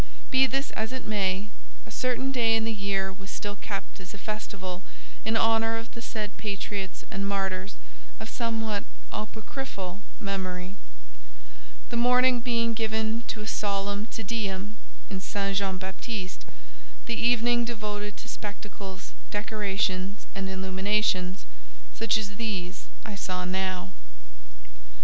Be this as it may, a certain day in the year was still kept as a festival in honour of the said patriots and martyrs of somewhat apocryphal memory—the morning being given to a solemn Te Deum in St. Jean Baptiste, the evening devoted to spectacles, decorations, and illuminations, such as these I now saw.